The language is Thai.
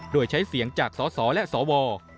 โดยใช้เสียงจากสสและสว